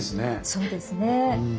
そうですね。